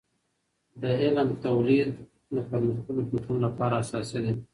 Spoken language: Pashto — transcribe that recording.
د علم تولید د پرمختللیو فکرونو لپاره اساسي ده.